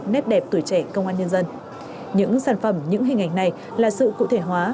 nét đẹp tuổi trẻ công an nhân dân những sản phẩm những hình ảnh này là sự cụ thể hóa